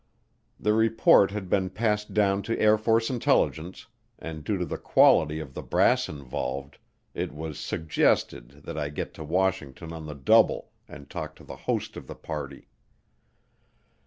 The report had been passed down to Air Force intelligence, and due to the quality of the brass involved, it was "suggested" that I get to Washington on the double and talk to the host of the party.